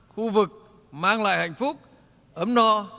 khu vực mang lại hạnh phúc ấm no